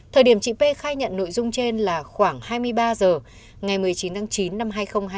thời điểm chị p khai nhận nội dung trên là khoảng hai mươi ba h ngày một mươi chín tháng chín năm hai nghìn hai mươi ba